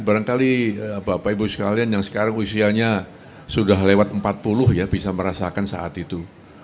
barangkali bapak ibu sekalian yang sekarang usianya sudah lewat empat puluh ya bisa merasakan saat itu